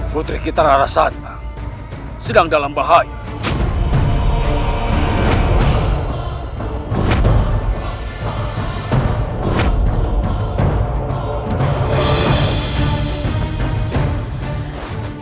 putri kitara rasanta sedang dalam bahaya